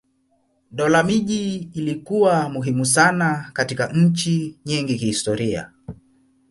Dola miji ilikuwa muhimu sana katika nchi nyingi kihistoria.